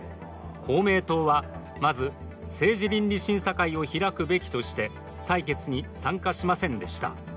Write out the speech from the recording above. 公明党は、まず政治倫理審査会を開くべきとして採決に参加しませんでした。